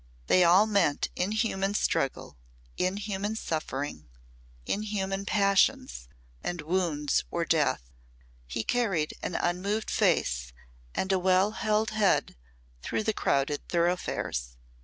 They all meant inhuman struggle, inhuman suffering, inhuman passions, and wounds or death. He carried an unmoved face and a well held head through the crowded thoroughfares.